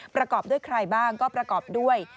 ประกอบด้วยใครบ้างก็ประกอบด้วย